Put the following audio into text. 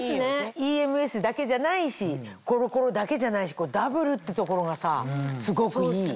ＥＭＳだけじゃないしコロコロだけじゃないしダブルってところがすごくいい。